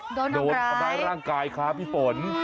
โดนทำร้ายโดนทำร้ายร่างกายค้าพี่ฝน